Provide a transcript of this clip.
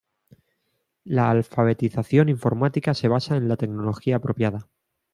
La alfabetización informática se basa en la tecnología apropiada.